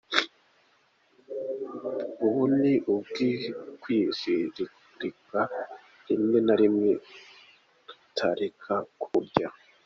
Ubu ni ukuwizirika rimwe na rimwe tukareka kurya.